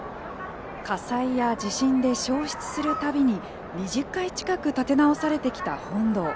火災や地震で焼失するたびに２０回近く建て直されてきた本堂。